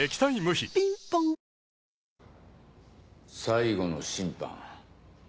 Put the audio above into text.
「最後の審判」。